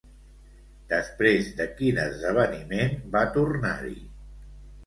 Després de quin esdeveniment va tornar-hi?